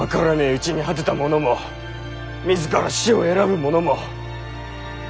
うちに果てたものも自ら死を選ぶものも。